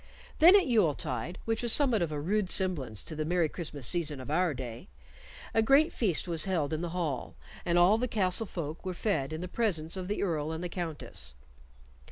Then at Yule tide, which was somewhat of a rude semblance to the Merry Christmas season of our day, a great feast was held in the hall, and all the castle folk were fed in the presence of the Earl and the Countess.